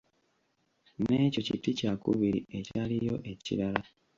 N'ekyo kiti kya kubiri ekyaliyo ekirala?